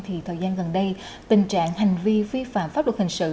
thì thời gian gần đây tình trạng hành vi vi phạm pháp luật hình sự